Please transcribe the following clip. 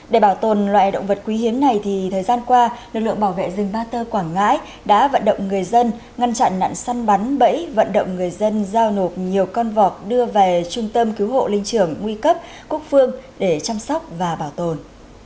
để bảo tồn loài động vật quý hiếm này thì thời gian qua lực lượng bảo vệ rừng ba tơ quảng ngãi đã vận động người dân ngăn chặn nạn săn bắn bẫy vận động người dân giao nộp nhiều con vọc đưa về trung tâm cứu hộ linh trưởng nguy cấp quốc phương để chăm sóc và bảo tồn